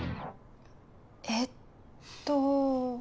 えっと。